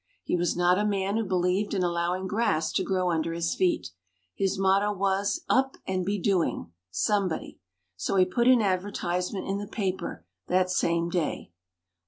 He was not a man who believed in allowing grass to grow under his feet. His motto was, "Up and be doing somebody." So he put an advertisement in the paper that same day.